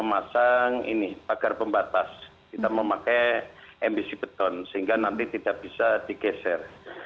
kita pagar pembatas kita memakai mbc beton sehingga nanti tidak bisa digeser